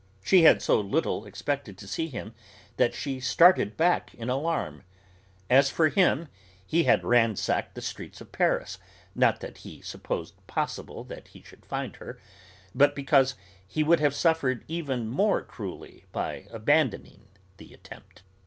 She had so little expected to see him that she started back in alarm. As for him, he had ransacked the streets of Paris, not that he supposed it possible that he should find her, but because he would have suffered even more cruelly by abandoning the attempt.